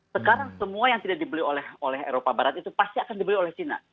sekarang semua yang tidak dibeli oleh eropa barat itu pasti akan dibeli oleh china